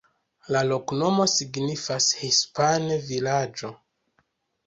La loknomo signifas hispane: vilaĝo.